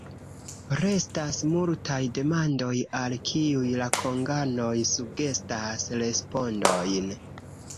Restas multaj demandoj, al kiuj la konganoj sugestas respondojn.